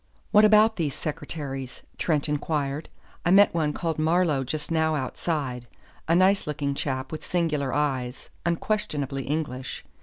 "What about these secretaries?" Trent inquired. "I met one called Marlowe just now outside; a nice looking chap with singular eyes, unquestionably English.